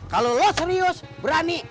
kalau lo serius berani